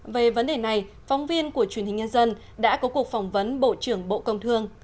về vấn đề này phóng viên của truyền hình nhân dân đã có cuộc phỏng vấn bộ trưởng bộ công thương